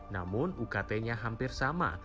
namun ukt nya hampir sama